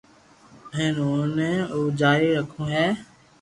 ھين اوني ھو جاري رکو ھي